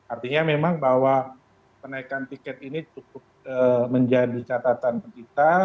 artinya memang bahwa penaikan tiket ini cukup menjadi catatan kita